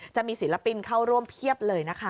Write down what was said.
จะมีศิลปินเข้าร่วมเพียบเลยนะคะ